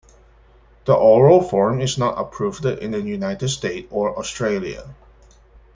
The oral form is not approved in the United States or Australia.